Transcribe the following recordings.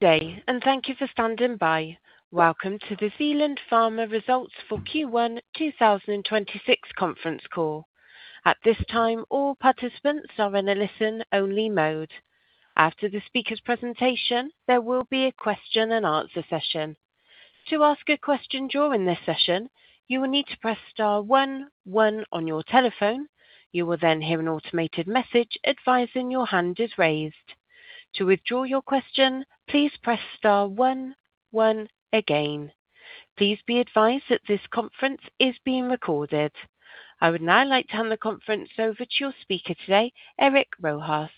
Good day. Thank you for standing by. Welcome to the Zealand Pharma Results for Q1 2026 conference call. At this time, all participants are in a listen-only mode. After the speaker's presentation, there will be a question-and-answer session. To ask a question during this session, you will need to press star one one on your telephone. You will hear an automated message advising your hand is raised. To withdraw your question, please press star one one again. Please be advised that this conference is being recorded. I would now like to hand the conference over to your speaker today, Eric Rojas,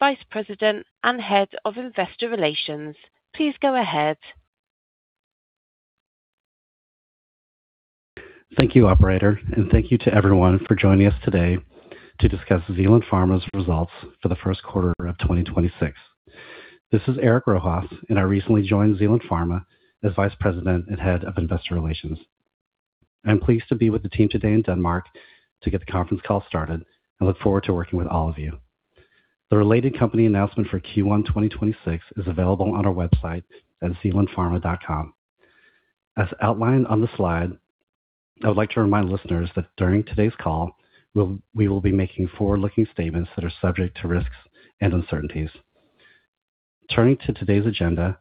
Vice President and Head of Investor Relations. Please go ahead. Thank you, operator. Thank you to everyone for joining us today to discuss Zealand Pharma's results for the first quarter of 2026. This is Eric Rojas. I recently joined Zealand Pharma as Vice President and Head of Investor Relations. I'm pleased to be with the team today in Denmark to get the conference call started. I look forward to working with all of you. The related company announcement for Q1 2026 is available on our website at zealandpharma.com. As outlined on the slide, I would like to remind listeners that during today's call, we will be making forward-looking statements that are subject to risks and uncertainties. Turning to today's agenda,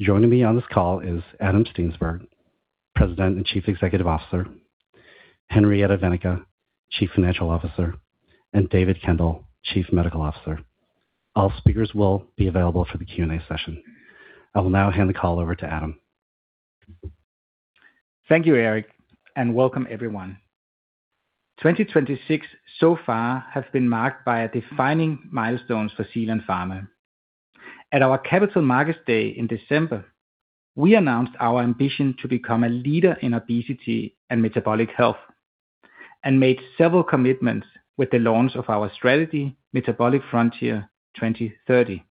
joining me on this call is Adam Steensberg, President and Chief Executive Officer, Henriette Wennicke, Chief Financial Officer, and David Kendall, Chief Medical Officer. All speakers will be available for the Q&A session. I will now hand the call over to Adam. Thank you, Eric, and welcome everyone. 2026 so far has been marked by defining milestones for Zealand Pharma. At our Capital Markets Day in December, we announced our ambition to become a leader in obesity and metabolic health, made several commitments with the launch of our strategy, Metabolic Frontier 2030.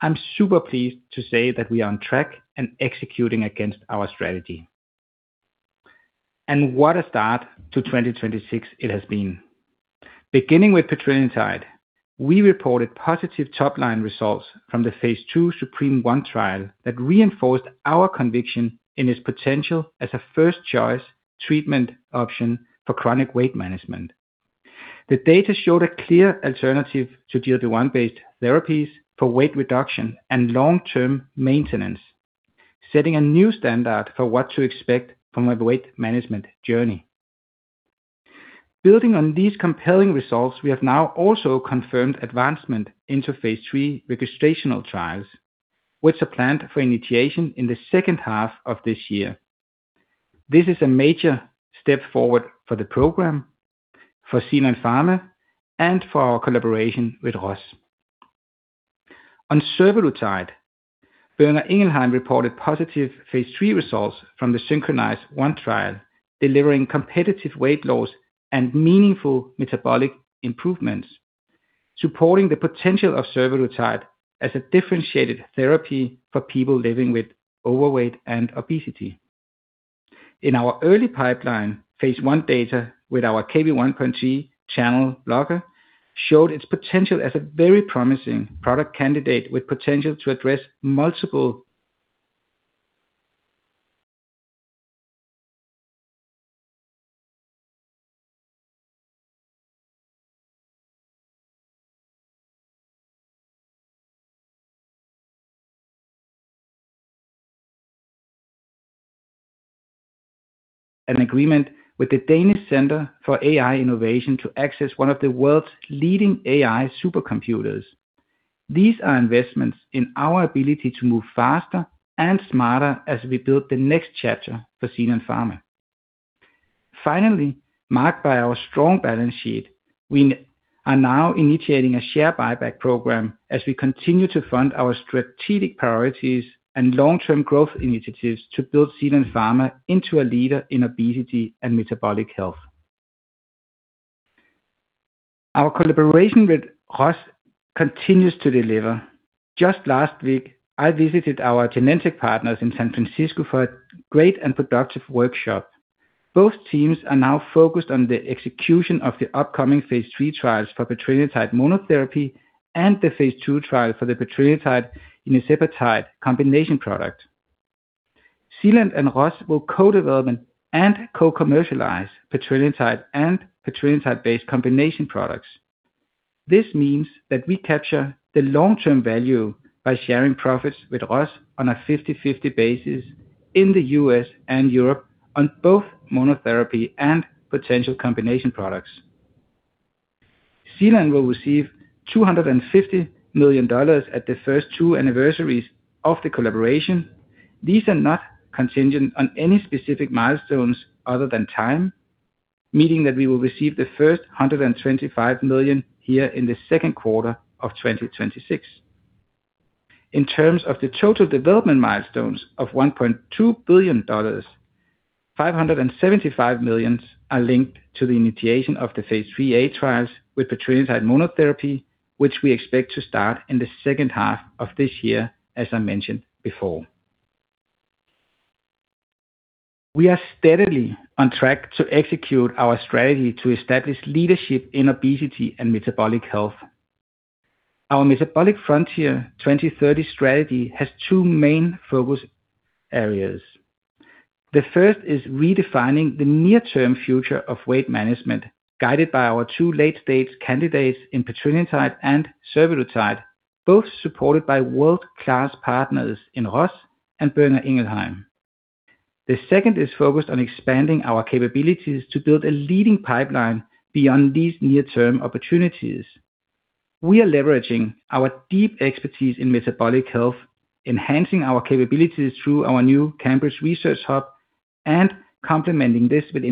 I'm super pleased to say that we are on track and executing against our strategy. What a start to 2026 it has been. Beginning with petrelintide, we reported positive top-line results from the phase II ZUPREME-1 trial that reinforced our conviction in its potential as a first choice treatment option for chronic weight management. The data showed a clear alternative to GLP-1 based therapies for weight reduction and long-term maintenance, setting a new standard for what to expect from a weight management journey. Building on these compelling results, we have now also confirmed advancement into phase III registrational trials, which are planned for initiation in the second half of this year. This is a major step forward for the program, for Zealand Pharma, and for our collaboration with Roche. On survodutide, Boehringer Ingelheim reported positive phase III results from the SYNCHRONIZE-1 trial, delivering competitive weight loss and meaningful metabolic improvements, supporting the potential of survodutide as a differentiated therapy for people living with overweight and obesity. In our early pipeline, phase I data with our Kv1.3 channel blocker showed its potential as a very promising product candidate. An agreement with the Danish Centre for AI Innovation to access one of the world's leading AI supercomputers. These are investments in our ability to move faster and smarter as we build the next chapter for Zealand Pharma. Finally, marked by our strong balance sheet, we are now initiating a share buyback program as we continue to fund our strategic priorities and long-term growth initiatives to build Zealand Pharma into a leader in obesity and metabolic health. Our collaboration with Roche continues to deliver. Just last week, I visited our Genentech partners in San Francisco for a great and productive workshop. Both teams are now focused on the execution of the upcoming phase III trials for petrelintide monotherapy and the phase II trial for the petrelintide enicepatide combination product. Zealand and Roche will co-develop and co-commercialize petrelintide and petrelintide-based combination products. This means that we capture the long-term value by sharing profits with Roche on a 50/50 basis in the U.S. and Europe on both monotherapy and potential combination products. Zealand will receive $250 million at the first two anniversaries of the collaboration. These are not contingent on any specific milestones other than time, meaning that we will receive the first $125 million here in Q2 2026. In terms of the total development milestones of $1.2 billion, $575 million are linked to the initiation of the phase IIIa trials with petrelintide monotherapy, which we expect to start in the second half of this year, as I mentioned before. We are steadily on track to execute our strategy to establish leadership in obesity and metabolic health. Our Metabolic Frontier 2030 strategy has two main focus areas. The first is redefining the near-term future of weight management, guided by our two late-stage candidates in petrelintide and survodutide, both supported by world-class partners in Roche and Boehringer Ingelheim. The second is focused on expanding our capabilities to build a leading pipeline beyond these near-term opportunities. We are leveraging our deep expertise in metabolic health, enhancing our capabilities through our new Cambridge Research Hub, and complementing this with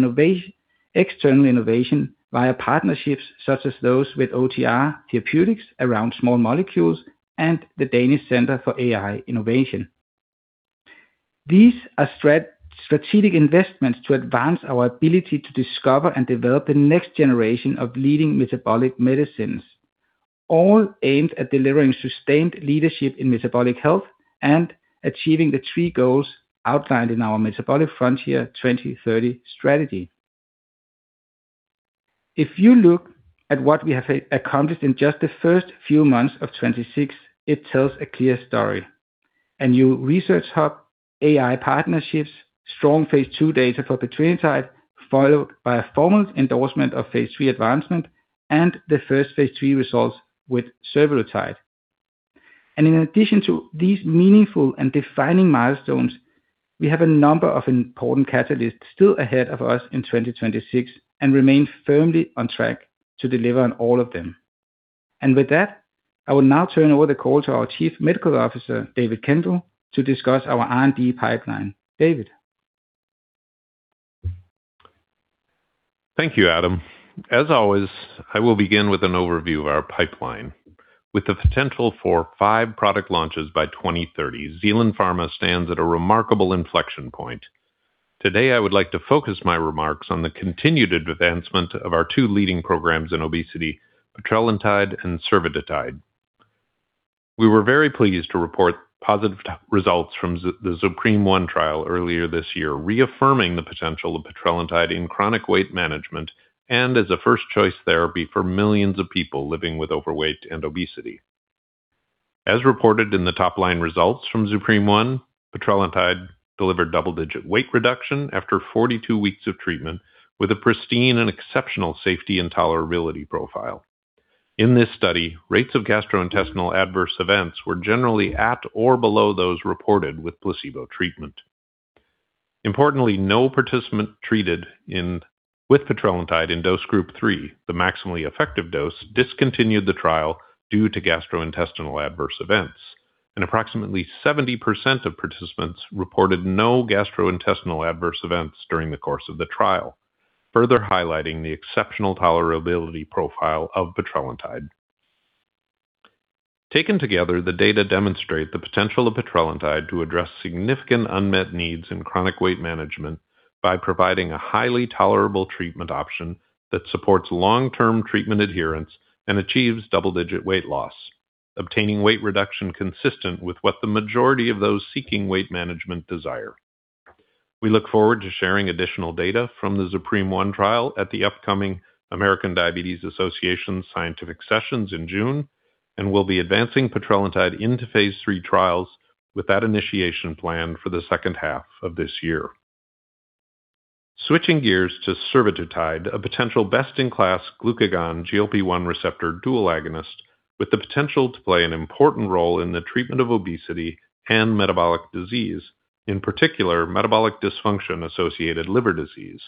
external innovation via partnerships such as those with OTR Therapeutics around small molecules and the Danish Centre for AI Innovation. These are strategic investments to advance our ability to discover and develop the next generation of leading metabolic medicines, all aimed at delivering sustained leadership in metabolic health and achieving the three goals outlined in our Metabolic Frontier 2030 strategy. If you look at what we have accomplished in just the first few months of 2026, it tells a clear story. A new research hub, AI partnerships, strong phase II data for petrelintide, followed by a formal endorsement of phase III advancement, and the first phase III results with survodutide. In addition to these meaningful and defining milestones, we have a number of important catalysts still ahead of us in 2026 and remain firmly on track to deliver on all of them. With that, I will now turn over the call to our Chief Medical Officer, David Kendall, to discuss our R&D pipeline. David? Thank you, Adam. As always, I will begin with an overview of our pipeline. With the potential for five product launches by 2030, Zealand Pharma stands at a remarkable inflection point. Today, I would like to focus my remarks on the continued advancement of our two leading programs in obesity, petrelintide and survodutide. We were very pleased to report positive results from the ZUPREME-1 trial earlier this year, reaffirming the potential of petrelintide in chronic weight management and as a first-choice therapy for millions of people living with overweight and obesity. As reported in the top-line results from ZUPREME-1, petrelintide delivered double-digit weight reduction after 42 weeks of treatment with a pristine and exceptional safety and tolerability profile. In this study, rates of gastrointestinal adverse events were generally at or below those reported with placebo treatment. Importantly, no participant treated with petrelintide in dose group 3, the maximally effective dose, discontinued the trial due to gastrointestinal adverse events, and approximately 70% of participants reported no gastrointestinal adverse events during the course of the trial, further highlighting the exceptional tolerability profile of petrelintide. Taken together, the data demonstrate the potential of petrelintide to address significant unmet needs in chronic weight management by providing a highly tolerable treatment option that supports long-term treatment adherence and achieves double-digit weight loss, obtaining weight reduction consistent with what the majority of those seeking weight management desire. We look forward to sharing additional data from the ZUPREME-1 trial at the upcoming American Diabetes Association Scientific Sessions in June and will be advancing petrelintide into phase III trials with that initiation plan for the second half of this year. Switching gears to survodutide, a potential best-in-class glucagon GLP-1 receptor dual agonist with the potential to play an important role in the treatment of obesity and metabolic disease, in particular metabolic dysfunction-associated liver disease.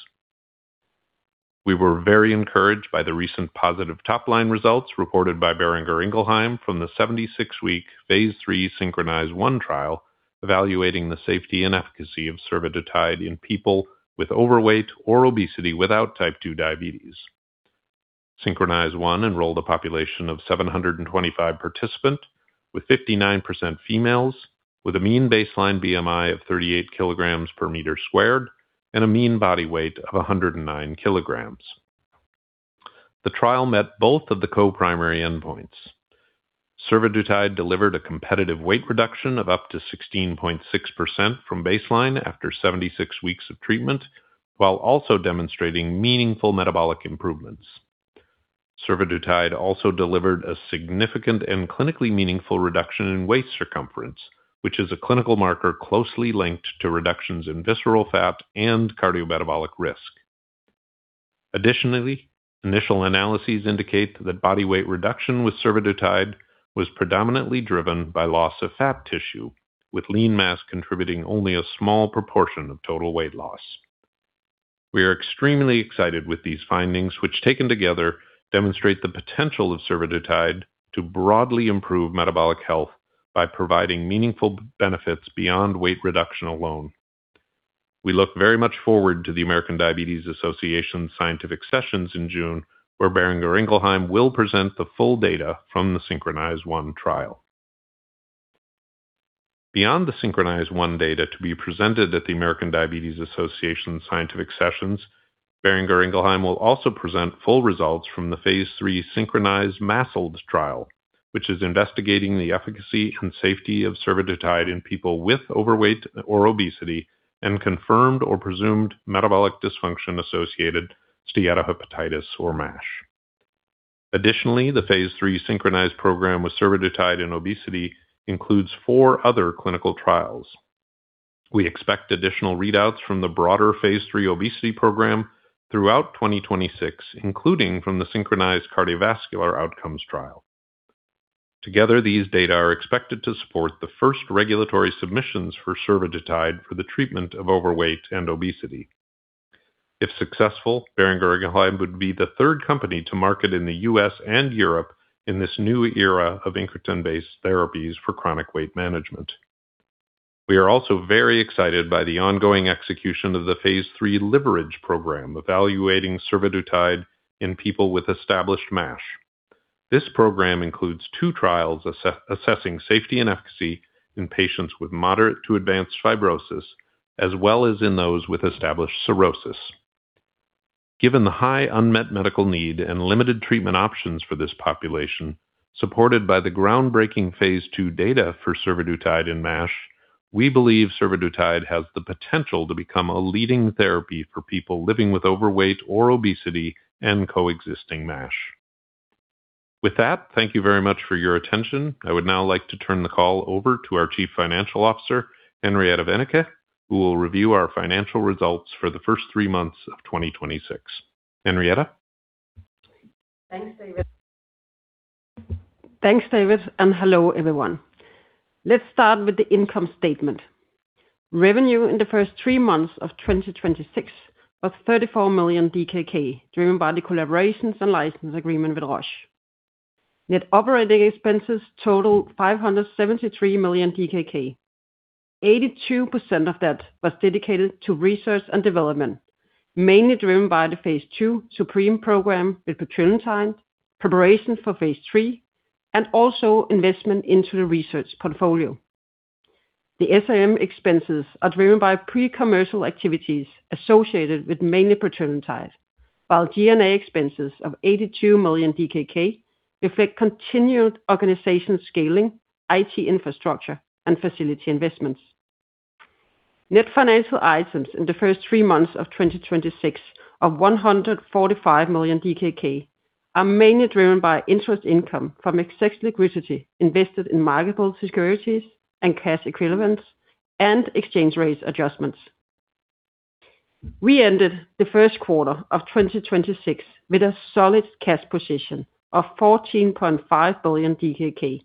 We were very encouraged by the recent positive top-line results reported by Boehringer Ingelheim from the 76-week phase III SYNCHRONIZE-1 trial evaluating the safety and efficacy of survodutide in people with overweight or obesity without type 2 diabetes. SYNCHRONIZE-1 enrolled a population of 725 participant, with 59% females with a mean baseline BMI of 38 kg per meter squared and a mean body weight of 109 kg. The trial met both of the co-primary endpoints. Survodutide delivered a competitive weight reduction of up to 16.6% from baseline after 76 weeks of treatment, while also demonstrating meaningful metabolic improvements. survodutide also delivered a significant and clinically meaningful reduction in waist circumference, which is a clinical marker closely linked to reductions in visceral fat and cardiometabolic risk. Additionally, initial analyses indicate that body weight reduction with survodutide was predominantly driven by loss of fat tissue, with lean mass contributing only a small proportion of total weight loss. We are extremely excited with these findings, which, taken together, demonstrate the potential of survodutide to broadly improve metabolic health by providing meaningful benefits beyond weight reduction alone. We look very much forward to the American Diabetes Association's Scientific Sessions in June, where Boehringer Ingelheim will present the full data from the SYNCHRONIZE-1 trial. Beyond the SYNCHRONIZE-1 data to be presented at the American Diabetes Association's Scientific Sessions. Boehringer Ingelheim will also present full results from the phase III SYNCHRONIZE-MASLD trial, which is investigating the efficacy and safety of survodutide in people with overweight or obesity and confirmed or presumed metabolic dysfunction associated steatohepatitis or MASH. Additionally, the phase III SYNCHRONIZE program with survodutide in obesity includes four other clinical trials. We expect additional readouts from the broader phase III obesity program throughout 2026, including from the SYNCHRONIZE cardiovascular outcomes trial. Together, these data are expected to support the first regulatory submissions for survodutide for the treatment of overweight and obesity. If successful, Boehringer Ingelheim would be the third company to market in the U.S. and Europe in this new era of incretin-based therapies for chronic weight management. We are also very excited by the ongoing execution of the phase III LIVERAGE program, evaluating survodutide in people with established MASH. This program includes two trials assessing safety and efficacy in patients with moderate to advanced fibrosis, as well as in those with established cirrhosis. Given the high unmet medical need and limited treatment options for this population, supported by the groundbreaking phase II data for survodutide in MASH, we believe survodutide has the potential to become a leading therapy for people living with overweight or obesity and coexisting MASH. Thank you very much for your attention. I would now like to turn the call over to our Chief Financial Officer, Henriette Wennicke, who will review our financial results for the first three months of 2026. Henriette? Thanks, David. Thanks, David, and hello, everyone. Let's start with the income statement. Revenue in the first three months of 2026 was 34 million DKK, driven by the collaborations and license agreement with Roche. Net operating expenses totaled 573 million DKK. 82% of that was dedicated to research and development, mainly driven by the phase II ZUPREME program with petrelintide, preparation for phase III, and also investment into the research portfolio. The S&M expenses are driven by pre-commercial activities associated with mainly petrelintide, while G&A expenses of 82 million DKK reflect continued organization scaling, IT infrastructure, and facility investments. Net financial items in the first three months of 2026 of 145 million DKK are mainly driven by interest income from excess liquidity invested in marketable securities and cash equivalents and exchange rates adjustments. We ended the first quarter of 2026 with a solid cash position of 14.5 billion DKK,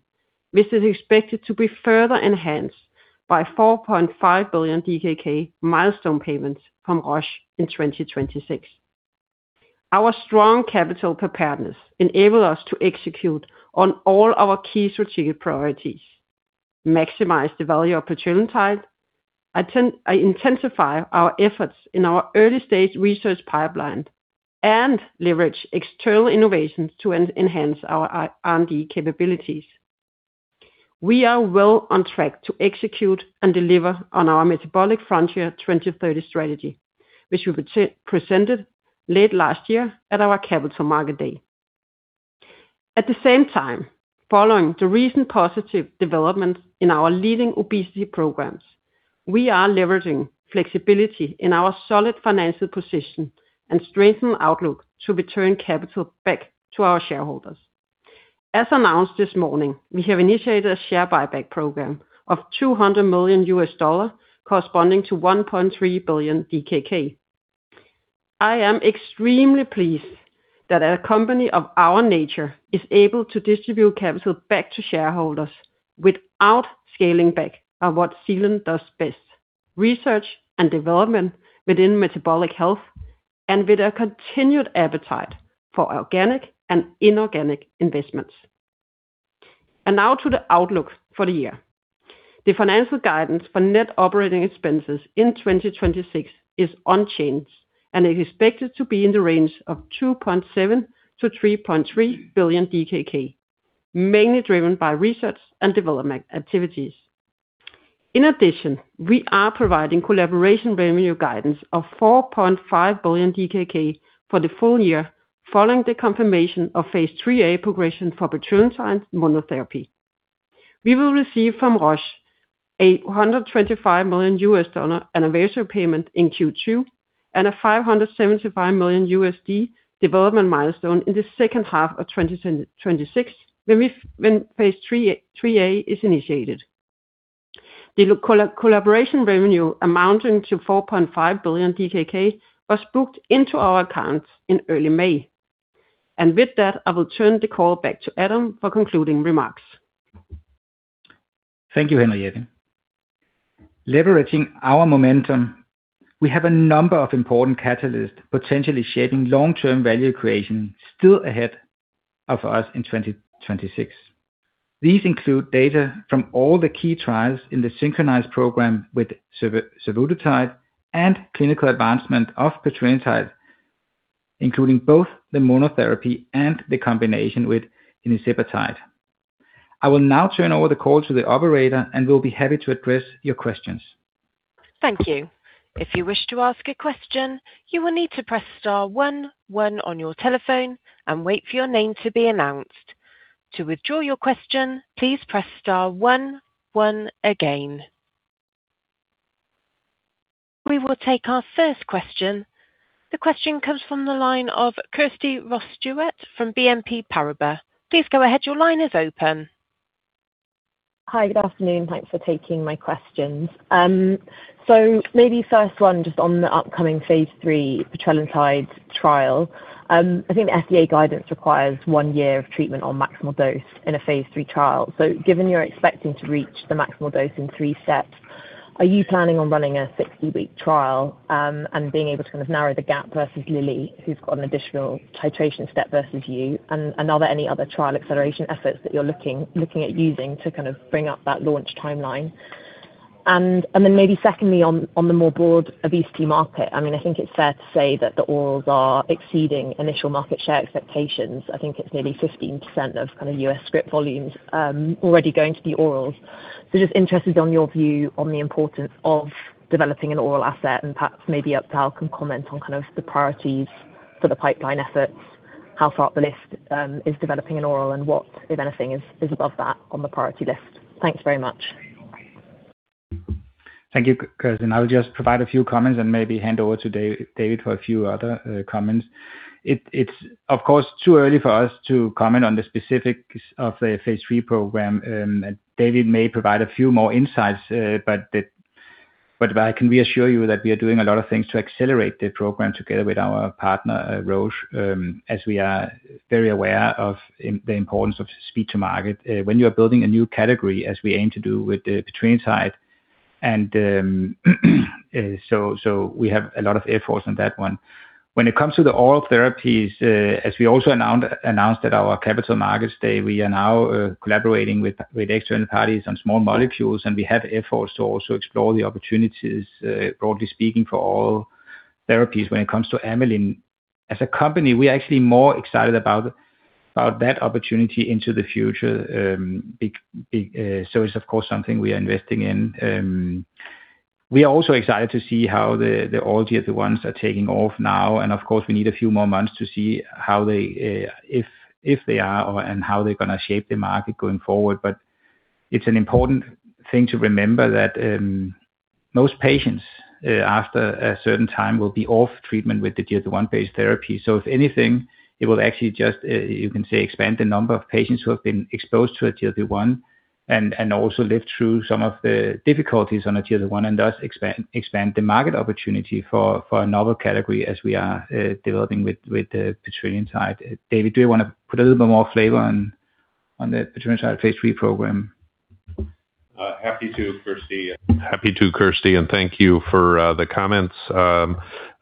which is expected to be further enhanced by 4.5 billion DKK milestone payments from Roche in 2026. Our strong capital preparedness enable us to execute on all our key strategic priorities, maximize the value of petrelintide, intensify our efforts in our early-stage research pipeline, and leverage external innovations to enhance our R&D capabilities. We are well on track to execute and deliver on our Metabolic Frontier 2030 strategy, which we presented late last year at our Capital Markets Day. At the same time, following the recent positive developments in our leading obesity programs, we are leveraging flexibility in our solid financial position and strengthen outlook to return capital back to our shareholders. As announced this morning, we have initiated a share buyback program of $200 million corresponding to 1.3 billion DKK. I am extremely pleased that a company of our nature is able to distribute capital back to shareholders without scaling back on what Zealand does best: research and development within metabolic health and with a continued appetite for organic and inorganic investments. Now to the outlook for the year. The financial guidance for net operating expenses in 2026 is unchanged, and is expected to be in the range of 2.7 billion-3.3 billion DKK, mainly driven by research and development activities. In addition, we are providing collaboration revenue guidance of 4.5 billion DKK for the full year following the confirmation of phase III-A progression for petrelintide monotherapy. We will receive from Roche $125 million anniversary payment in Q2, and a $575 million development milestone in the second half of 2026 when phase III-A is initiated. The collaboration revenue amounting to 4.5 billion DKK was booked into our accounts in early May. With that, I will turn the call back to Adam for concluding remarks. Thank you, Henriette. Leveraging our momentum, we have a number of important catalysts potentially shaping long-term value creation still ahead of us in 2026. These include data from all the key trials in the SYNCHRONIZE program with survodutide and clinical advancement of petrelintide, including both the monotherapy and the combination with enicepatide. I will now turn over the call to the operator, and we'll be happy to address your questions. Thank you. If you wish to ask a question, you will need to press star one one on your telephone and wait for your name to be announced. To withdraw your question, please press star one one again. We will take our first question. The question comes from the line of Kirsty Ross-Stewart from BNP Paribas. Please go ahead. Your line is open. Hi. Good afternoon. Thanks for taking my questions. Maybe first one, just on the upcoming phase III petrelintide trial. I think the FDA guidance requires one year of treatment on maximal dose in a phase III trial. Given you're expecting to reach the maximal dose in three steps, are you planning on running a 60-week trial, and being able to kind of narrow the gap versus Lilly, who's got an additional titration step versus you? Are there any other trial acceleration efforts that you're looking at using to kind of bring up that launch timeline? Maybe secondly on the more broad obesity market, I mean, I think it's fair to say that the orals are exceeding initial market share expectations. I think it's nearly 15% of kind of U.S. script volumes already going to the orals. Just interested on your view on the importance of developing an oral asset and perhaps maybe Adam can comment on kind of the priorities for the pipeline efforts, how far up the list is developing an oral and what, if anything, is above that on the priority list. Thanks very much. Thank you, Kirsty. I'll just provide a few comments and maybe hand over to David for a few other comments. It's of course too early for us to comment on the specifics of the phase III program. David may provide a few more insights. But I can reassure you that we are doing a lot of things to accelerate the program together with our partner, Roche, as we are very aware of the importance of speed to market when you are building a new category, as we aim to do with the petrelintide. We have a lot of efforts on that one. When it comes to the oral therapies, as we also announced at our Capital Markets Day, we are now collaborating with external parties on small molecules, and we have efforts to also explore the opportunities, broadly speaking, for all therapies when it comes to amylin. As a company, we're actually more excited about that opportunity into the future. It's of course something we are investing in. We are also excited to see how the oral GLP-1s are taking off now, and of course, we need a few more months to see how they, if they are or, and how they're gonna shape the market going forward. It's an important thing to remember that most patients, after a certain time will be off treatment with the GLP-1 based therapy. If anything, it will actually just, you can say expand the number of patients who have been exposed to a GLP-1 and also live through some of the difficulties on a GLP-1 and thus expand the market opportunity for a novel category as we are developing with the petrelintide. David, do you want to put a little bit more flavor on the petrelintide phase III program? Happy to, Kirsty. Happy to, Kirsty, and thank you for the comments.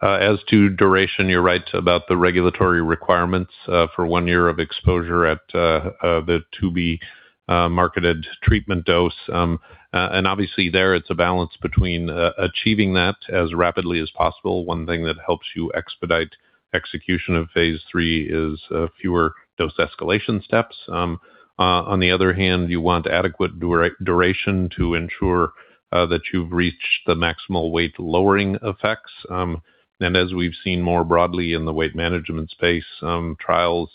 As to duration, you're right about the regulatory requirements for one year of exposure at the to-be marketed treatment dose. Obviously there it's a balance between achieving that as rapidly as possible. One thing that helps you expedite execution of phase III is fewer dose escalation steps. On the other hand, you want adequate duration to ensure that you've reached the maximal weight-lowering effects. As we've seen more broadly in the weight management space, trials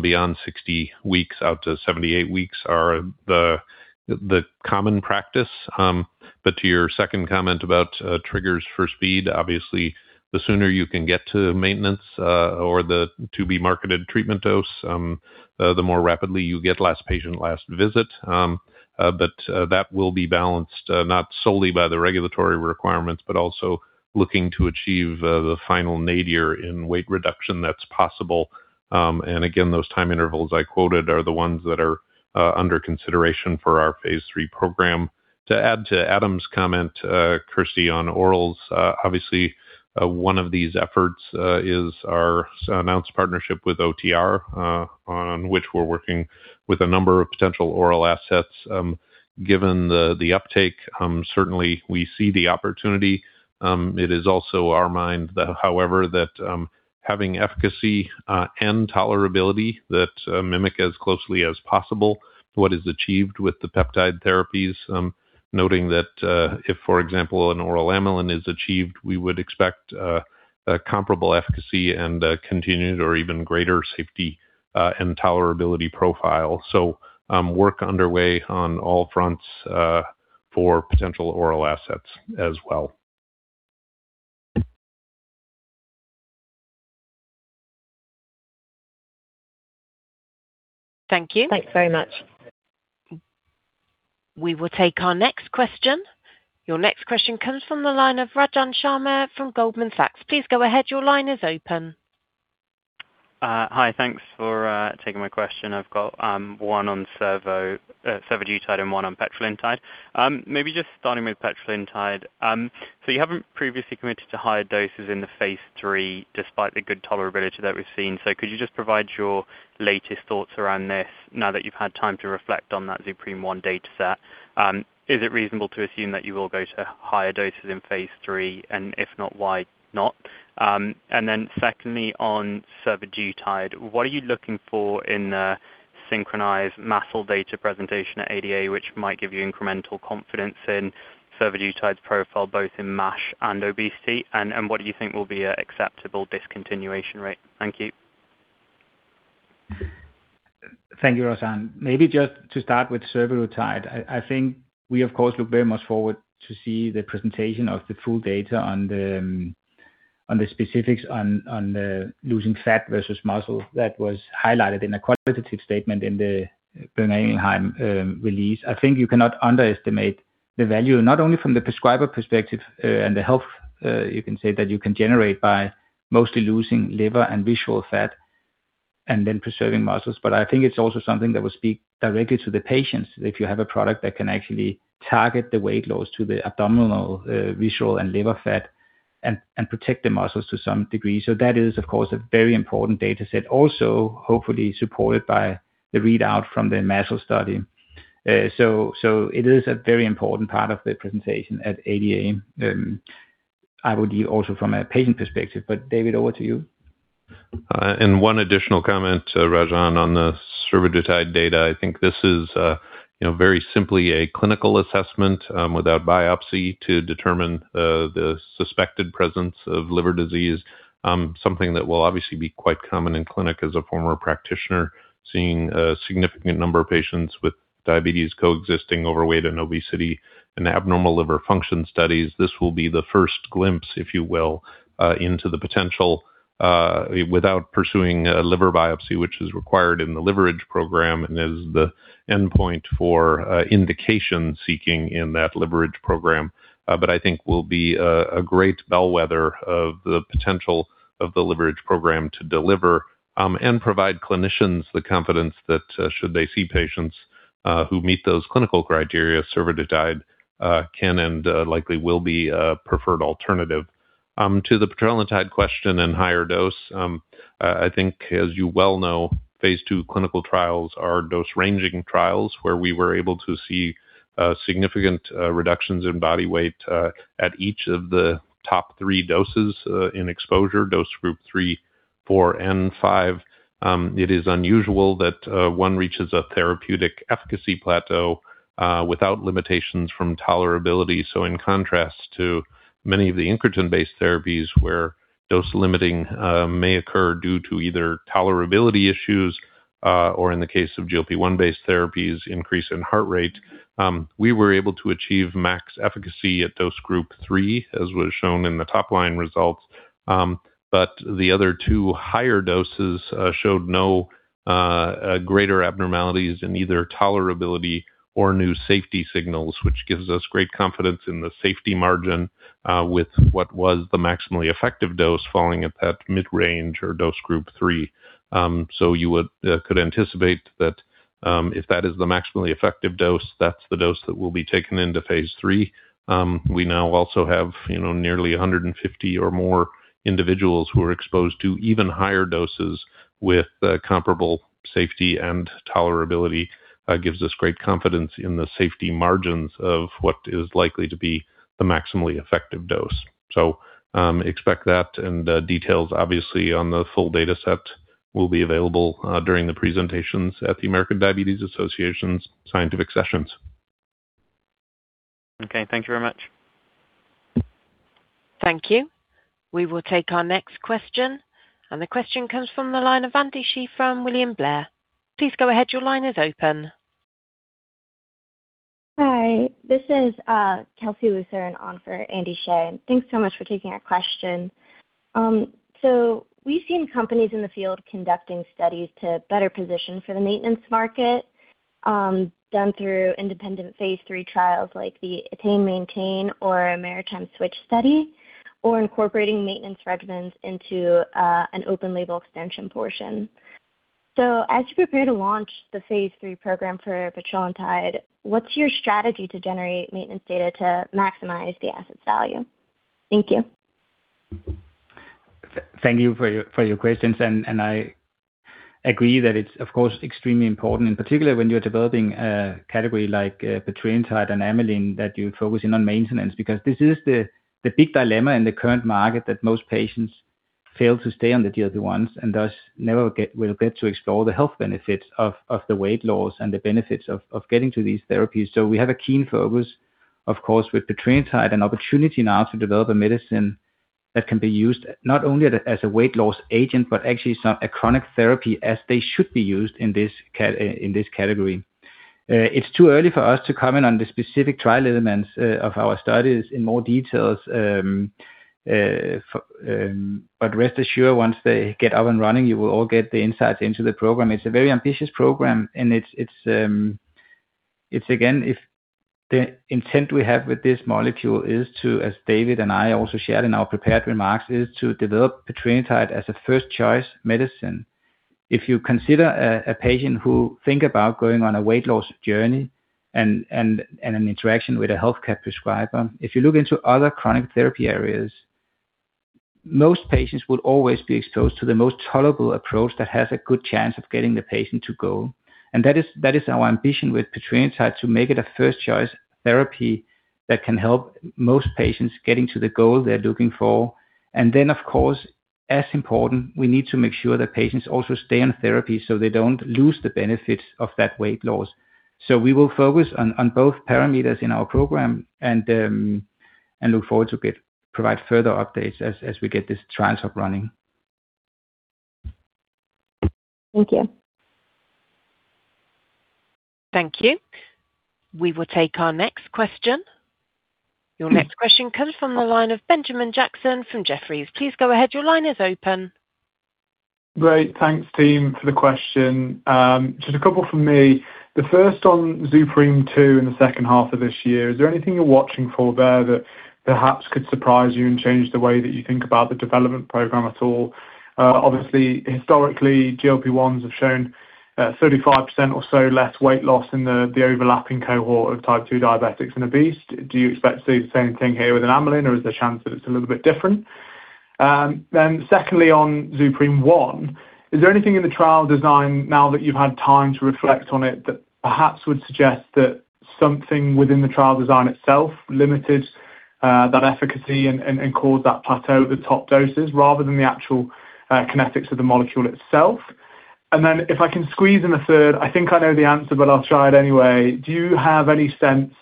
beyond 60 weeks out to 78 weeks are the common practice. To your second comment about triggers for speed, obviously the sooner you can get to maintenance, or the to-be-marketed treatment dose, the more rapidly you get last patient, last visit. That will be balanced, not solely by the regulatory requirements, but also looking to achieve the final nadir in weight reduction that's possible. Again, those time intervals I quoted are the ones that are under consideration for our phase III program. To add to Adam's comment, Kirsty, on orals, obviously, one of these efforts is our announced partnership with OTR, on which we're working with a number of potential oral assets. Given the uptake, certainly we see the opportunity. It is also our mind that however, that, having efficacy and tolerability that mimic as closely as possible what is achieved with the peptide therapies, noting that, if, for example, an oral amylin is achieved, we would expect a comparable efficacy and a continued or even greater safety and tolerability profile. Work underway on all fronts for potential oral assets as well. Thank you. Thanks very much. We will take our next question. Your next question comes from the line of Rajan Sharma from Goldman Sachs. Please go ahead. Your line is open. Hi. Thanks for taking my question. I've got one on survo, survodutide and one on petrelintide. Maybe just starting with petrelintide. You haven't previously committed to higher doses in the phase III despite the good tolerability that we've seen. Could you just provide your latest thoughts around this now that you've had time to reflect on that ZUPREME-1 data set? Is it reasonable to assume that you will go to higher doses in phase III? If not, why not? Secondly, on survodutide, what are you looking for in the SYNCHRONIZE-MASLD data presentation at ADA, which might give you incremental confidence in survodutide's profile both in MASH and obesity? What do you think will be an acceptable discontinuation rate? Thank you. Thank you, Rajan. Just to start with survodutide. I think we of course look very much forward to see the presentation of the full data on the specifics on the losing fat versus muscle that was highlighted in a qualitative statement in the Boehringer Ingelheim release. You cannot underestimate the value, not only from the prescriber perspective, and the health, you can say that you can generate by mostly losing liver and visceral fat and then preserving muscles, but I think it's also something that will speak directly to the patients. If you have a product that can actually target the weight loss to the abdominal, visceral and liver fat and protect the muscles to some degree. That is, of course, a very important data set also hopefully supported by the readout from the MASLD study. It is a very important part of the presentation at ADA, I would give also from a patient perspective. David, over to you. One additional comment, Rajan, on the survodutide data. I think this is very simply a clinical assessment without biopsy to determine the suspected presence of liver disease. Something that will obviously be quite common in clinic as a former practitioner, seeing a significant number of patients with diabetes coexisting overweight and obesity and abnormal liver function studies. This will be the first glimpse, if you will, into the potential without pursuing a liver biopsy, which is required in the LIVERAGE program and is the endpoint for indication seeking in that LIVERAGE program. I think will be a great bellwether of the potential of the LIVERAGE program to deliver and provide clinicians the confidence that should they see patients who meet those clinical criteria, survodutide can and likely will be a preferred alternative. To the petrelintide question and higher dose, I think as you well know, phase II clinical trials are dose-ranging trials where we were able to see significant reductions in body weight at each of the top three doses in exposure, dose group 3, 4, and 5. It is unusual that one reaches a therapeutic efficacy plateau without limitations from tolerability. In contrast to many of the incretin-based therapies where dose limiting may occur due to either tolerability issues or in the case of GLP-1 based therapies, increase in heart rate, we were able to achieve max efficacy at dose group 3, as was shown in the top line results. The other two higher doses showed no greater abnormalities in either tolerability or new safety signals, which gives us great confidence in the safety margin with what was the maximally effective dose falling at that mid-range or dose group 3. You would could anticipate that if that is the maximally effective dose, that's the dose that will be taken into phase III. We now also have, you know, nearly 150 or more individuals who are exposed to even higher doses with comparable safety and tolerability. Gives us great confidence in the safety margins of what is likely to be the maximally effective dose. Expect that and details obviously on the full data set will be available during the presentations at the American Diabetes Association's Scientific Sessions. Okay. Thank you very much. Thank you. We will take our next question, and the question comes from the line of Andy Hsieh from William Blair. Please go ahead. Your line is open. Hi, this is Kelsey Lucerne in on for Andy Hsieh, thanks so much for taking our question. We've seen companies in the field conducting studies to better position for the maintenance market, done through independent phase III trials like the ATTAIN-MAINTAIN or MARITIME-Switch study, or incorporating maintenance regimens into an open label extension portion. As you prepare to launch the phase III program for petrelintide, what's your strategy to generate maintenance data to maximize the asset value? Thank you. Thank you for your questions. I agree that it's of course extremely important, in particular, when you're developing a category like petrelintide and amylin, that you're focusing on maintenance, because this is the big dilemma in the current market that most patients fail to stay on the GLP-1s, and thus never will get to explore the health benefits of the weight loss and the benefits of getting to these therapies. We have a keen focus, of course, with petrelintide, an opportunity now to develop a medicine that can be used not only as a weight loss agent, but actually so a chronic therapy as they should be used in this category. It's too early for us to comment on the specific trial elements of our studies in more details. Rest assured, once they get up and running, you will all get the insights into the program. It's a very ambitious program, and it's again, if the intent we have with this molecule is to, as David and I also shared in our prepared remarks, is to develop petrelintide as a first choice medicine. If you consider a patient who think about going on a weight loss journey and an interaction with a healthcare prescriber, if you look into other chronic therapy areas, most patients would always be exposed to the most tolerable approach that has a good chance of getting the patient to goal. That is, that is our ambition with petrelintide, to make it a first choice therapy that can help most patients getting to the goal they're looking for. Of course, as important, we need to make sure that patients also stay on therapy so they don't lose the benefits of that weight loss. We will focus on both parameters in our program and look forward to it. Provide further updates as we get this trial up running. Thank you. Thank you. We will take our next question. Your next question comes from the line of Benjamin Jackson from Jefferies. Please go ahead. Your line is open Great. Thanks team for the question. Just a couple from me. The first on ZUPREME-2 in the second half of this year, is there anything you're watching for there that perhaps could surprise you and change the way that you think about the development program at all? Obviously historically, GLP-1s have shown, 35% or so less weight loss in the overlapping cohort of type 2 diabetics and obese. Do you expect to see the same thing here with an amylin, or is there a chance that it's a little bit different? Secondly, on ZUPREME-1, is there anything in the trial design now that you've had time to reflect on it that perhaps would suggest that something within the trial design itself limited that efficacy and caused that plateau at the top doses rather than the actual kinetics of the molecule itself? If I can squeeze in a third, I think I know the answer, but I'll try it anyway. Do you have any sense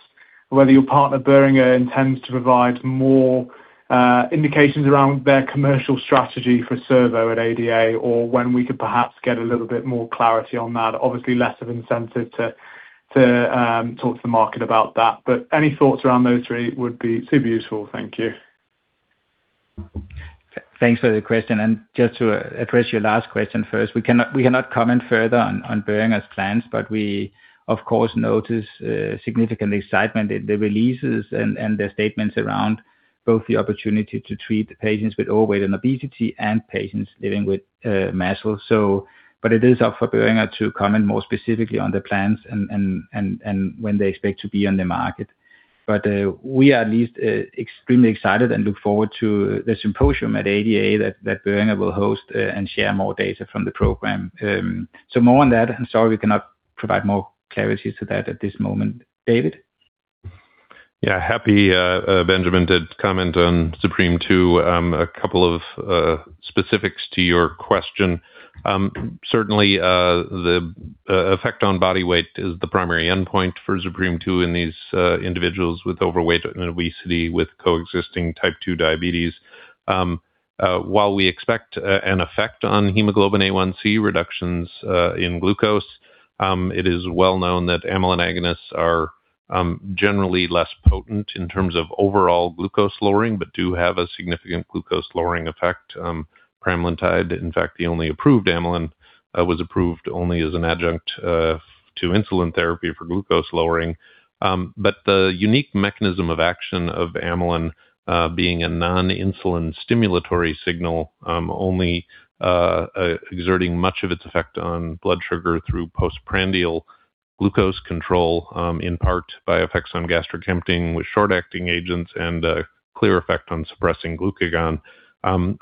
whether your partner Boehringer intends to provide more indications around their commercial strategy for survodutide at ADA or when we could perhaps get a little bit more clarity on that? Obviously less of incentive to talk to the market about that. Any thoughts around those three would be super useful. Thank you Thanks for the question. Just to address your last question first, we cannot comment further on Boehringer's plans, but we of course notice significant excitement at the releases and their statements around both the opportunity to treat patients with overweight and obesity and patients living with MASLD. It is up for Boehringer to comment more specifically on the plans and when they expect to be on the market. We are at least extremely excited and look forward to the symposium at ADA that Boehringer will host and share more data from the program. More on that. Sorry, we cannot provide more clarity to that at this moment. David? Happy Benjamin to comment on ZUPREME-2. A couple of specifics to your question. Certainly, the effect on body weight is the primary endpoint for ZUPREME-2 in these individuals with overweight and obesity, with coexisting type 2 diabetes. While we expect an effect on hemoglobin A1c reductions in glucose, it is well known that amylin agonists are generally less potent in terms of overall glucose lowering, but do have a significant glucose lowering effect. Pramlintide, in fact, the only approved amylin, was approved only as an adjunct to insulin therapy for glucose lowering. The unique mechanism of action of amylin, being a non-insulin stimulatory signal, only exerting much of its effect on blood sugar through postprandial glucose control, in part by effects on gastric emptying with short-acting agents and a clear effect on suppressing glucagon.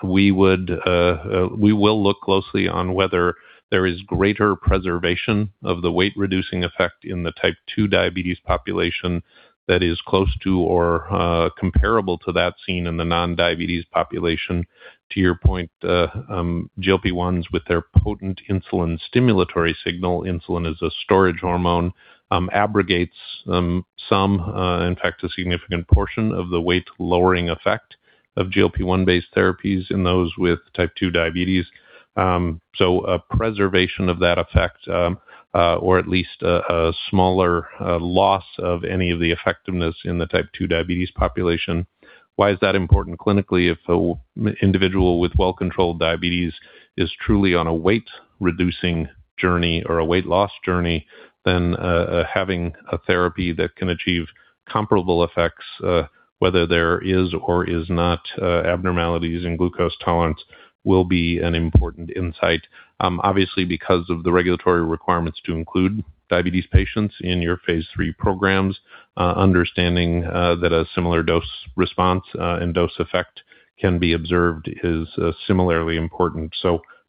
We will look closely on whether there is greater preservation of the weight reducing effect in the type 2 diabetes population that is close to or comparable to that seen in the non-diabetes population. To your point, GLP-1s with their potent insulin stimulatory signal, insulin is a storage hormone, abrogates some, in fact a significant portion of the weight lowering effect of GLP-1 based therapies in those with type 2 diabetes. A preservation of that effect, or at least a smaller loss of any of the effectiveness in the type 2 diabetes population. Why is that important clinically? If an individual with well-controlled diabetes is truly on a weight reducing journey or a weight loss journey, having a therapy that can achieve comparable effects, whether there is or is not abnormalities in glucose tolerance will be an important insight. Obviously, because of the regulatory requirements to include diabetes patients in your phase III programs, understanding that a similar dose response and dose effect can be observed is similarly important.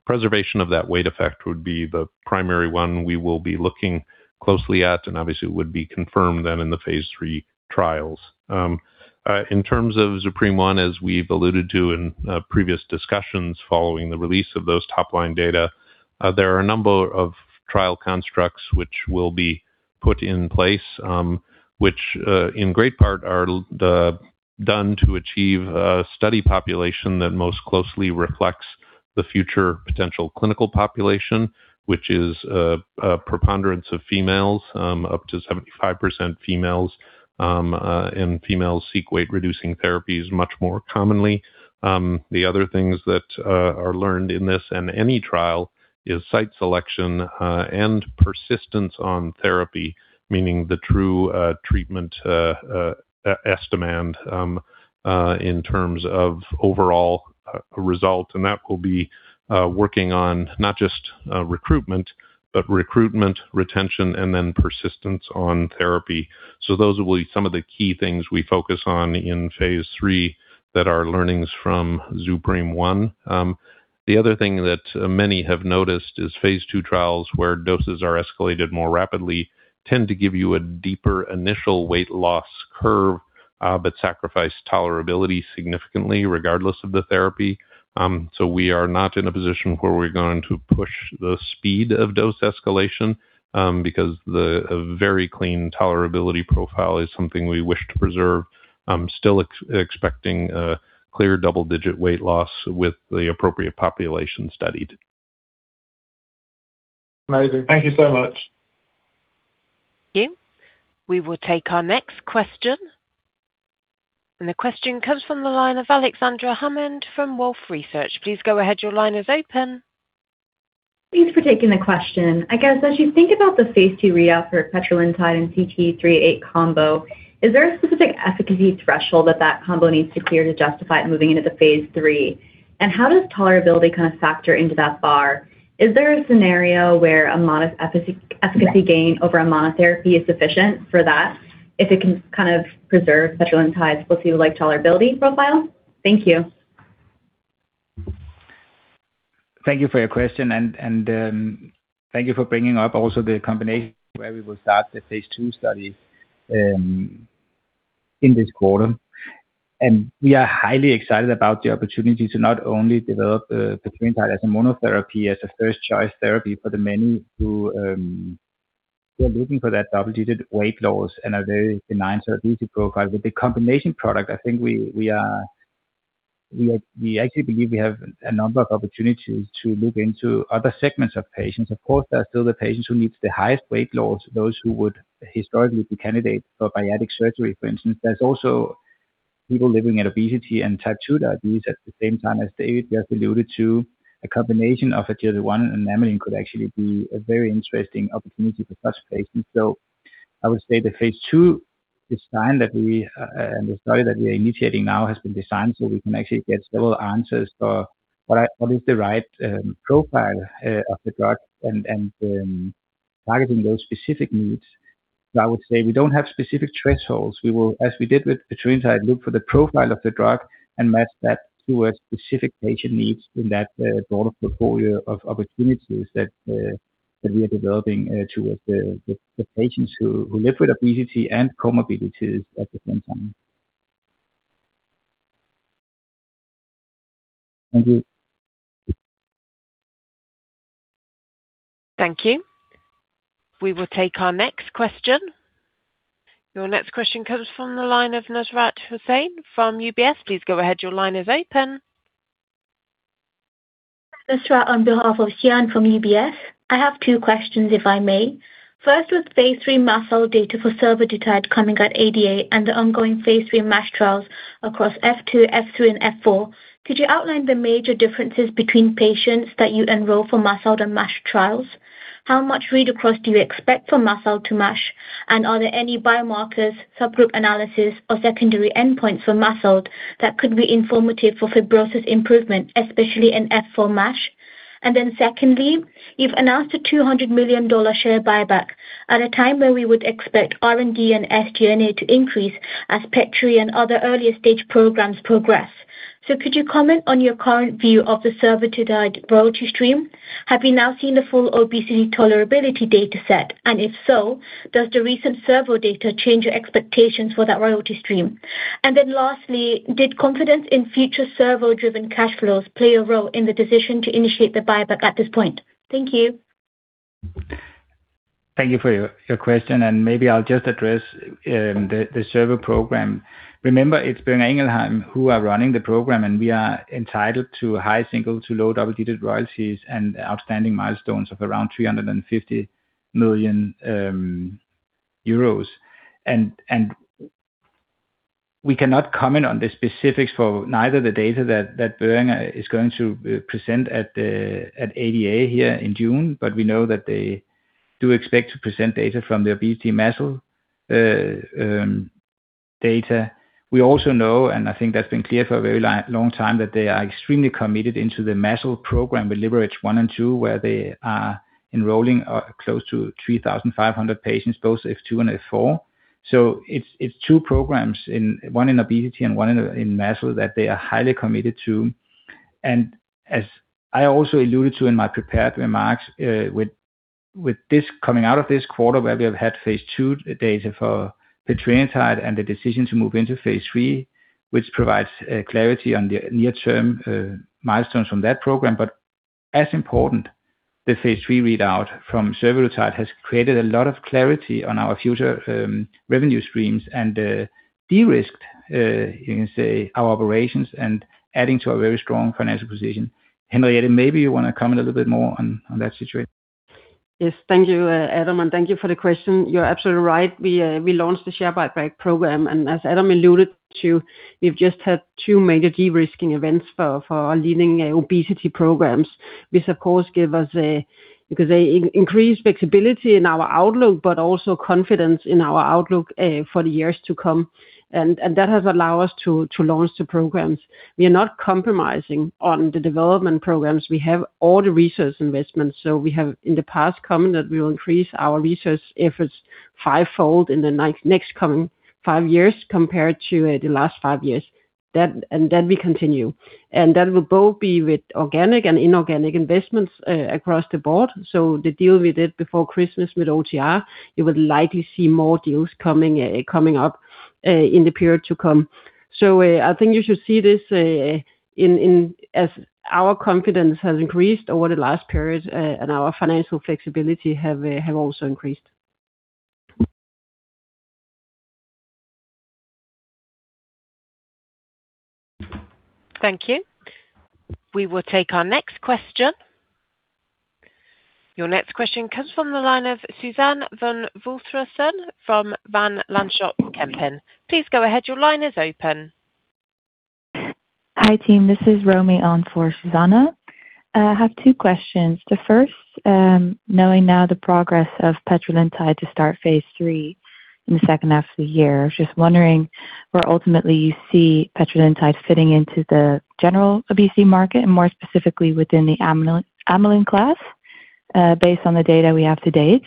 Preservation of that weight effect would be the primary one we will be looking closely at, and obviously it would be confirmed then in the phase III trials. In terms of ZUPREME-1, as we've alluded to in previous discussions following the release of those top line data, there are a number of trial constructs which will be put in place, which in great part are done to achieve a study population that most closely reflects the future potential clinical population. Which is a preponderance of females, up to 75% females. Females seek weight-reducing therapies much more commonly. The other things that are learned in this and any trial is site selection and persistence on therapy, meaning the true treatment estimate in terms of overall result. That will be working on not just recruitment, but recruitment, retention, and then persistence on therapy. Those will be some of the key things we focus on in phase III that are learnings from ZUPREME-1. The other thing that many have noticed is phase II trials where doses are escalated more rapidly tend to give you a deeper initial weight loss curve, but sacrifice tolerability significantly regardless of the therapy. We are not in a position where we're going to push the speed of dose escalation, because a very clean tolerability profile is something we wish to preserve. Still expecting a clear double-digit weight loss with the appropriate population studied. Amazing. Thank you so much. Thank you. We will take our next question, and the question comes from the line of Alexandria Hammond from Wolfe Research. Please go ahead. Your line is open. Thanks for taking the question. I guess, as you think about the phase II readout for petrelintide and CT-388 combo, is there a specific efficacy threshold that that combo needs to clear to justify it moving into the phase III? How does tolerability kind of factor into that bar? Is there a scenario where a modest efficacy gain over a monotherapy is sufficient for that, if it can kind of preserve petrelintide's looking like tolerability profile? Thank you. Thank you for your question, and, thank you for bringing up also the combination where we will start the phase II study in this quarter. We are highly excited about the opportunity to not only develop petrelintide as a monotherapy, as a first choice therapy for the many who we are looking for that double-digit weight loss and a very benign therapeutic profile. With the combination product, I think we are, we actually believe we have a number of opportunities to look into other segments of patients. Of course, there are still the patients who need the highest weight loss, those who would historically be candidates for bariatric surgery, for instance. There's also people living with obesity and type 2 diabetes at the same time. As David just alluded to, a combination of a GLP-1 and an amylin could actually be a very interesting opportunity for such patients. I would say the phase II design that we and the study that we are initiating now has been designed so we can actually get several answers for what is the right profile of the drug and targeting those specific needs. I would say we don't have specific thresholds. We will, as we did with petrelintide, look for the profile of the drug and match that to a specific patient needs in that broader portfolio of opportunities that we are developing towards the patients who live with obesity and comorbidities at the same time. Thank you. Thank you. We will take our next question. Your next question comes from the line of Nusrath Hussain from UBS. Please go ahead. Your line is open. Nusrath Hussain on behalf of Shaan from UBS. I have two questions, if I may. First, with phase III MASLD data for survodutide coming at ADA and the ongoing phase III MASH trials across F2, F3, and F4, could you outline the major differences between patients that you enroll for MASLD and MASH trials? How much read across do you expect for MASLD to MASH, and are there any biomarkers, subgroup analysis or secondary endpoints for MASLD that could be informative for fibrosis improvement, especially in F4 MASH? Secondly, you've announced a $200 million share buyback at a time where we would expect R&D and SG&A to increase as petrelintide and other earlier stage programs progress. Could you comment on your current view of the survodutide royalty stream? Have you now seen the full obesity tolerability data set? If so, does the recent survodutide data change your expectations for that royalty stream? Lastly, did confidence in future survodutide-driven cash flows play a role in the decision to initiate the buyback at this point? Thank you. Thank you for your question, maybe I'll just address the survodutide program. Remember, it's Boehringer Ingelheim who are running the program, we are entitled to high-single to low-double-digit royalties and outstanding milestones of around 350 million euros. We cannot comment on the specifics for neither the data that Boehringer is going to present at ADA here in June, we know that they do expect to present data from the obesity MASLD data. We also know, I think that's been clear for a very long time, that they are extremely committed into the MASLD program with LIVERAGE-1 and LIVERAGE-2, where they are enrolling close to 3,500 patients, both F2 and F4. It's two programs in, one in obesity and one in MASLD that they are highly committed to. As I also alluded to in my prepared remarks, with this coming out of this quarter where we have had phase II data for petrelintide and the decision to move into phase III, which provides clarity on the near-term milestones from that program. As important, the phase III readout from survodutide has created a lot of clarity on our future revenue streams and de-risked, you can say, our operations and adding to our very strong financial position. Henriette, maybe you want to comment a little bit more on that situation. Yes. Thank you, Adam, and thank you for the question. You are absolutely right. We, we launched the share buyback program, and as Adam alluded to, we have just had two major de-risking events for our leading obesity programs, which of course give us, because they increased flexibility in our outlook, but also confidence in our outlook, for the years to come. That has allowed us to launch the programs. We are not compromising on the development programs. We have all the research investments, so we have in the past commented we will increase our research efforts five-fold in the next coming five years compared to the last five years. That and then we continue. That will both be with organic and inorganic investments, across the board. The deal we did before Christmas with OTR, you would likely see more deals coming up in the period to come. I think you should see this as our confidence has increased over the last period, and our financial flexibility have also increased. Thank you. We will take our next question. Your next question comes from the line of Susanne van Voorthuizen from Van Lanschot Kempen. Please go ahead. Your line is open. Hi, team. This is Romy on for Susanne. I have two questions. The first, knowing now the progress of petrelintide to start phase III in the second half of the year, I was just wondering where ultimately you see petrelintide fitting into the general obesity market and more specifically within the amylin class, based on the data we have to date.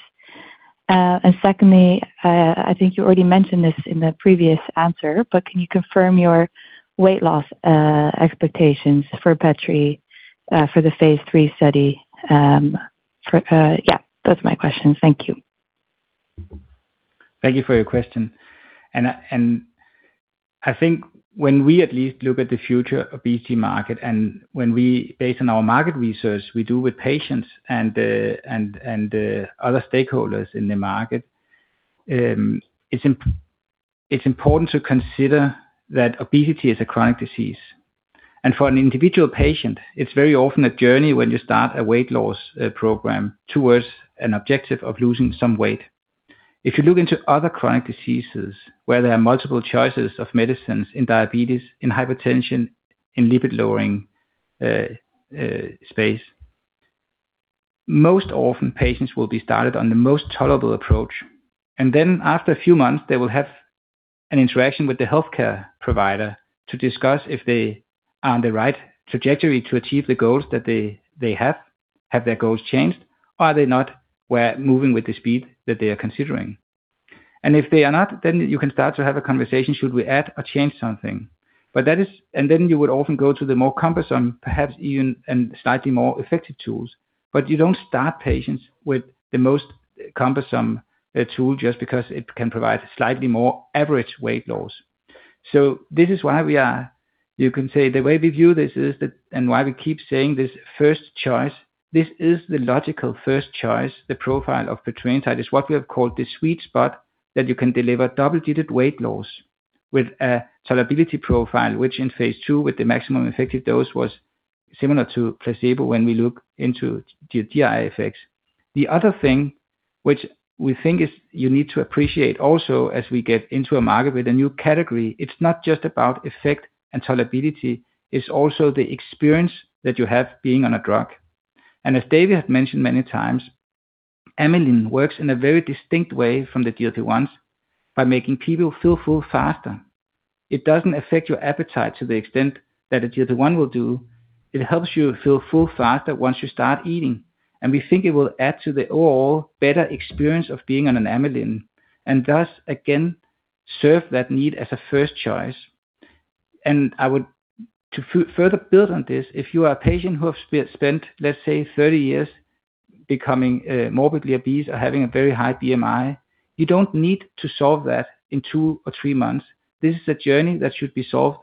Secondly, I think you already mentioned this in the previous answer, but can you confirm your weight loss expectations for petrelintide for the phase III study? Those are my questions. Thank you. Thank you for your question. I think when we at least look at the future obesity market and when we based on our market research we do with patients and other stakeholders in the market, it's important to consider that obesity is a chronic disease. For an individual patient, it's very often a journey when you start a weight loss program towards an objective of losing some weight. If you look into other chronic diseases where there are multiple choices of medicines in diabetes, in hypertension, in lipid-lowering space, most often patients will be started on the most tolerable approach. After a few months, they will have an interaction with the healthcare provider to discuss if they are on the right trajectory to achieve the goals that they have. Have their goals changed or are they not moving with the speed that they are considering? If they are not, you can start to have a conversation should we add or change something. You would often go to the more cumbersome, perhaps even, and slightly more effective tools. You don't start patients with the most cumbersome tool just because it can provide slightly more average weight loss. This is why. You can say the way we view this is that, why we keep saying this first choice, this is the logical first choice. The profile of petrelintide is what we have called the sweet spot, that you can deliver double-digit weight loss with a tolerability profile, which in phase II with the maximum effective dose, was similar to placebo when we look into the GI effects. The other thing which we think is you need to appreciate also as we get into a market with a new category, it's not just about effect and tolerability, it's also the experience that you have being on a drug. As David has mentioned many times, amylin works in a very distinct way from the GLP-1s by making people feel full faster. It doesn't affect your appetite to the extent that a GLP-1 will do. It helps you feel full faster once you start eating. We think it will add to the overall better experience of being on an amylin, and thus again serve that need as a first choice. I would further build on this. If you are a patient who have spent, let's say, 30 years becoming morbidly obese or having a very high BMI, you don't need to solve that in two or three months. This is a journey that should be solved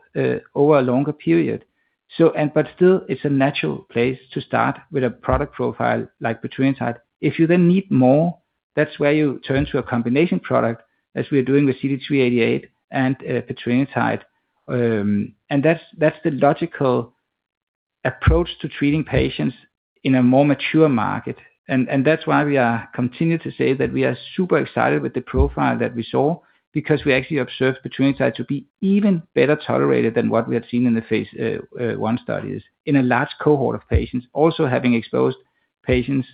over a longer period. Still, it's a natural place to start with a product profile like petrelintide. If you need more, that's where you turn to a combination product as we are doing with CT-388 and petrelintide. That's the logical approach to treating patients in a more mature market. That's why we are continuing to say that we are super excited with the profile that we saw because we actually observed petrelintide to be even better tolerated than what we had seen in the phase I studies in a large cohort of patients. Also having exposed patients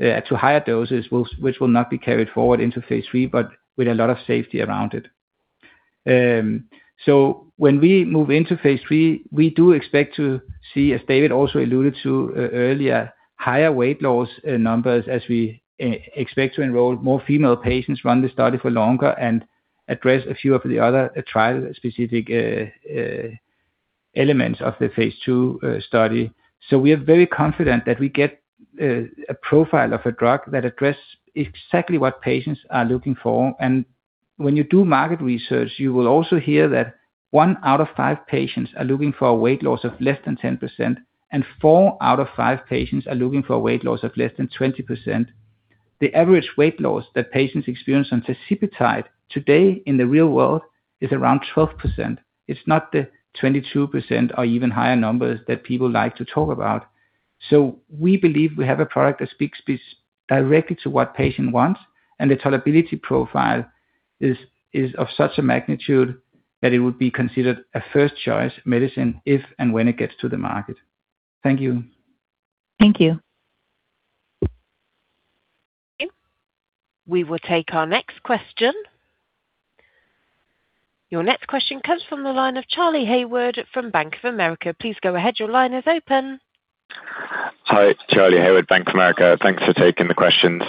to higher doses, which will not be carried forward into phase III, but with a lot of safety around it. When we move into phase III, we do expect to see, as David also alluded to earlier, higher weight loss numbers as we expect to enroll more female patients, run the study for longer and address a few of the other trial-specific elements of the phase II study. We are very confident that we get a profile of a drug that address exactly what patients are looking for. When you do market research, you will also hear that one out of five patients are looking for a weight loss of less than 10%, and four out of five patients are looking for a weight loss of less than 20%. The average weight loss that patients experience on tirzepatide today in the real world is around 12%. It's not the 22% or even higher numbers that people like to talk about. We believe we have a product that speaks directly to what patient wants, and the tolerability profile is of such a magnitude that it would be considered a first choice medicine if and when it gets to the market. Thank you. Thank you. We will take our next question. Your next question comes from the line of Charlie Haywood from Bank of America. Please go ahead. Your line is open. Hi. Charlie Haywood, Bank of America. Thanks for taking the questions.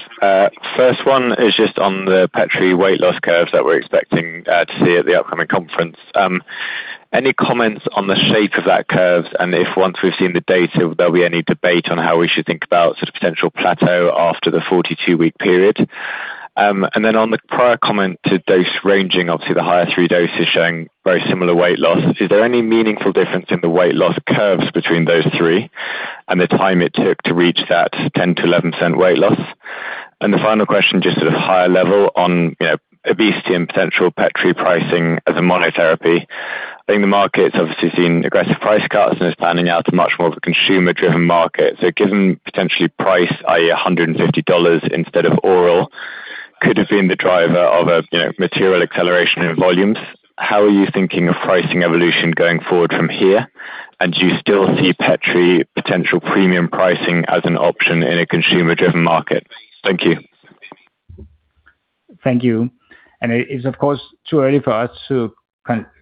First one is just on the petrelintide weight loss curves that we're expecting to see at the upcoming conference. Any comments on the shape of that curves? If once we've seen the data, there'll be any debate on how we should think about sort of potential plateau after the 42-week period. Then on the prior comment to dose ranging, obviously the higher three doses showing very similar weight loss, is there any meaningful difference in the weight loss curves between those three and the time it took to reach that 10%-11% weight loss? The final question, just sort of higher level on, you know, obesity and potential petrelintide pricing as a monotherapy. I think the market's obviously seen aggressive price cuts, and it's panning out to much more of a consumer-driven market. Given potentially price, i.e., $150 instead of oral, could have been the driver of a, you know, material acceleration in volumes. How are you thinking of pricing evolution going forward from here? Do you still see petrelintide potential premium pricing as an option in a consumer-driven market? Thank you. Thank you. It is, of course, too early for us to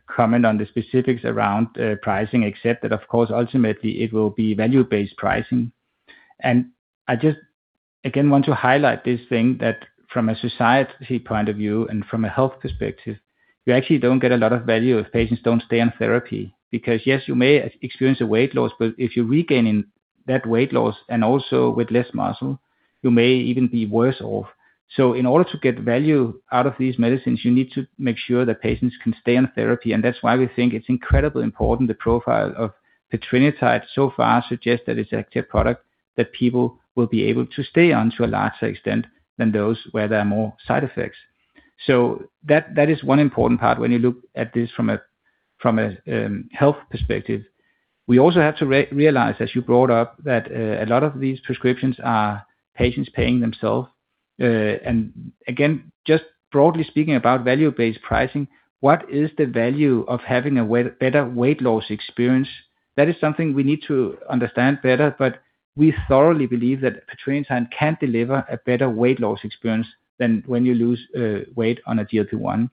comment on the specifics around pricing, except that of course, ultimately it will be value-based pricing. I just, again, want to highlight this thing that from a society point of view and from a health perspective, you actually don't get a lot of value if patients don't stay on therapy because yes, you may experience a weight loss, but if you're regaining that weight loss and also with less muscle, you may even be worse off. In order to get value out of these medicines, you need to make sure that patients can stay on therapy, and that's why we think it's incredibly important the profile of petrelintide so far suggests that it's actually a product that people will be able to stay on to a larger extent than those where there are more side effects. That is one important part when you look at this from a health perspective. We also have to realize, as you brought up, that a lot of these prescriptions are patients paying themselves. Again, just broadly speaking about value-based pricing, what is the value of having a better weight loss experience? That is something we need to understand better. We thoroughly believe that petrelintide can deliver a better weight loss experience than when you lose weight on a GLP-1.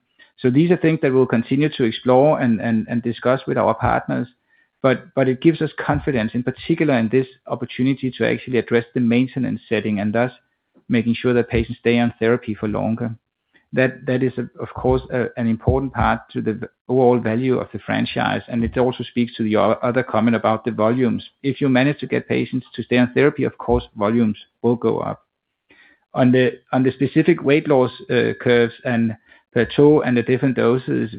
These are things that we'll continue to explore and discuss with our partners, but it gives us confidence, in particular in this opportunity to actually address the maintenance setting and thus making sure that patients stay on therapy for longer. That is, of course, an important part to the overall value of the franchise, and it also speaks to the other comment about the volumes. If you manage to get patients to stay on therapy, of course, volumes will go up. On the specific weight loss curves and the two and the different doses,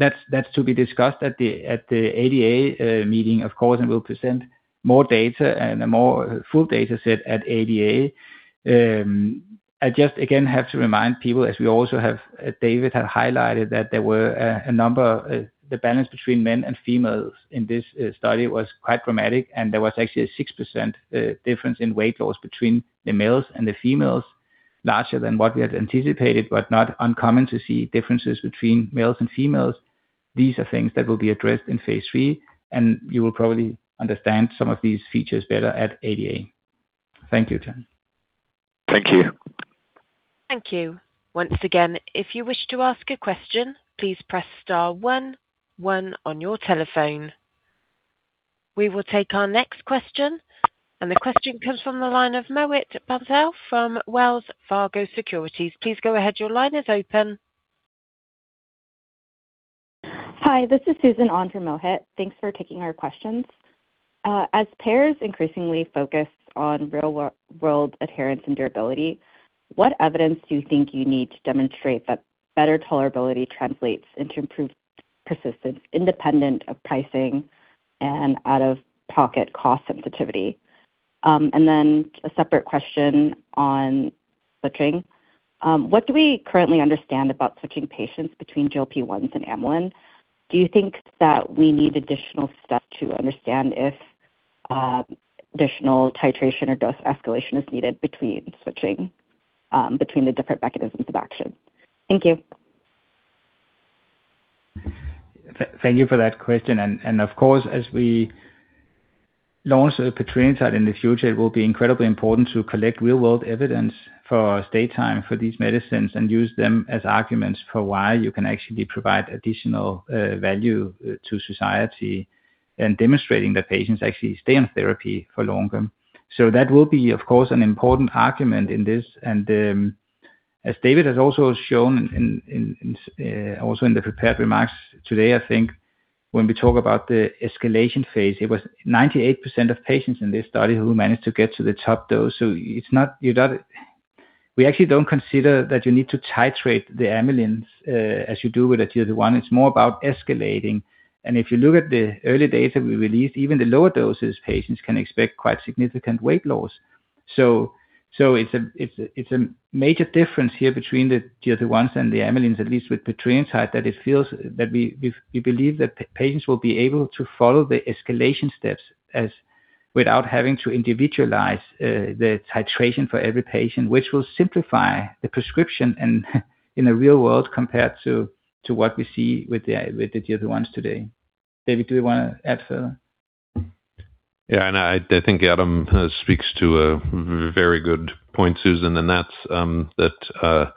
That's to be discussed at the ADA meeting, of course, and we'll present more data and a more full data set at ADA. I just again have to remind people, as we also have, David had highlighted that there were a number, the balance between men and females in this study was quite dramatic. There was actually a 6% difference in weight loss between the males and the females, larger than what we had anticipated, but not uncommon to see differences between males and females. These are things that will be addressed in phase III, and you will probably understand some of these features better at ADA. Thank you, Charlie. Thank you. Thank you. Once again, if you wish to ask a question, please press star one one on your telephone. We will take our next question. The question comes from the line of Mohit Bansal from Wells Fargo Securities. Please go ahead. Your line is open. Hi, this is Susan on for Mohit. Thanks for taking our questions. As payers increasingly focus on real-world adherence and durability, what evidence do you think you need to demonstrate that better tolerability translates into improved persistence independent of pricing and out-of-pocket cost sensitivity? A separate question on switching. What do we currently understand about switching patients between GLP-1s and amylin? Do you think that we need additional stuff to understand if additional titration or dose escalation is needed between switching between the different mechanisms of action? Thank you. Thank you for that question. Of course, as we launch petrelintide in the future, it will be incredibly important to collect real-world evidence for stay time for these medicines and use them as arguments for why you can actually provide additional value to society in demonstrating that patients actually stay on therapy for longer. That will be, of course, an important argument in this. As David has also shown in, also in the prepared remarks today, I think when we talk about the escalation phase, it was 98% of patients in this study who managed to get to the top dose. We actually don't consider that you need to titrate the amylins as you do with a GLP-1. It's more about escalating. If you look at the early data we released, even the lower doses, patients can expect quite significant weight loss. It's a major difference here between the GLP-1s and the amylins, at least with petrelintide, that it feels that we believe that patients will be able to follow the escalation steps as without having to individualize the titration for every patient, which will simplify the prescription and in the real world compared to what we see with the GLP-1s today. David, do you wanna add further? Yeah. I think Adam speaks to a very good point, Susan, and that's that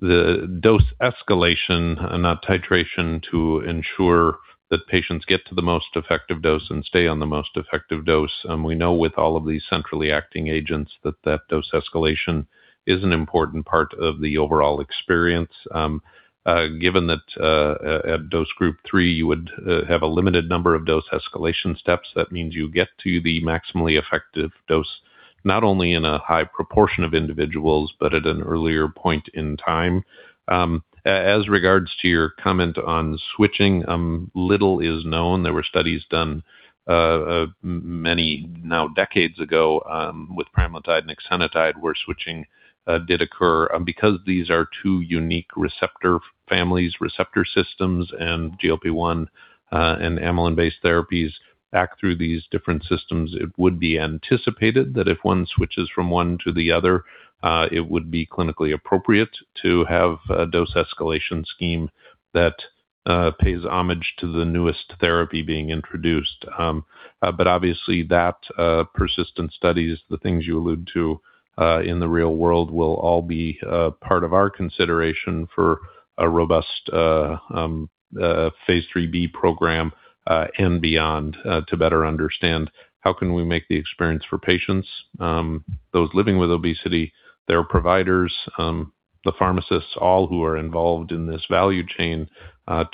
the dose escalation and not titration to ensure that patients get to the most effective dose and stay on the most effective dose. We know with all of these centrally acting agents that dose escalation is an important part of the overall experience. Given that dose group 3, you would have a limited number of dose escalation steps, that means you get to the maximally effective dose, not only in a high proportion of individuals but at an earlier point in time. As regards to your comment on switching, little is known. There were studies done many now decades ago with pramlintide and exenatide, where switching did occur. Because these are two unique receptor families, receptor systems, and GLP-1 and amylin-based therapies act through these different systems, it would be anticipated that if one switches from one to the other, it would be clinically appropriate to have a dose escalation scheme that pays homage to the newest therapy being introduced. Obviously that persistent studies, the things you allude to in the real world will all be part of our consideration for a robust phase III-B program and beyond to better understand how can we make the experience for patients, those living with obesity, their providers, the pharmacists, all who are involved in this value chain,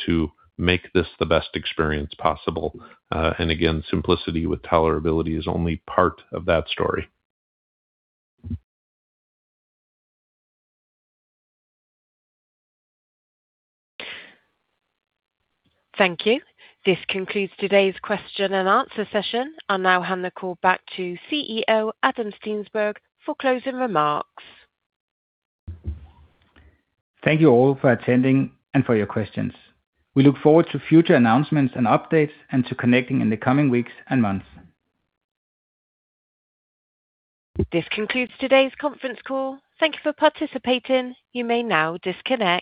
to make this the best experience possible. Again, simplicity with tolerability is only part of that story. Thank you. This concludes today's question and answer session. I'll now hand the call back to CEO Adam Steensberg for closing remarks. Thank you all for attending and for your questions. We look forward to future announcements and updates and to connecting in the coming weeks and months. This concludes today's conference call. Thank You for participating. You may now disconnect.